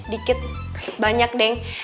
dikit banyak deng